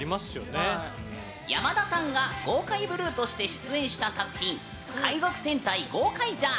山田さんがゴーカイブルーとして出演した作品「海賊戦隊ゴーカイジャー」。